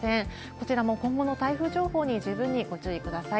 こちらも今後の台風情報に十分にご注意ください。